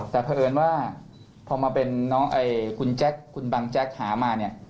แต่เพราะเอิญว่าพอมาเป็นน้องคุณแจ๊คคุณบังแจ๊กหามาเนี่ย